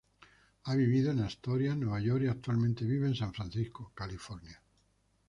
Ha vivido en Astoria, Nueva York y actualmente vive en San Francisco, California.